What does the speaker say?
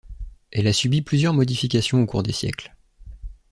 Elle a subi plusieurs modifications au cours des siècles.